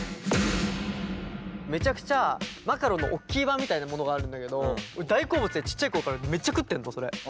めちゃくちゃマカロンのおっきい版みたいなものがあるんだけど俺大好物でちっちゃい頃からめっちゃ食ってんのそれ。